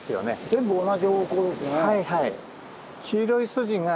全部同じ方向ですね。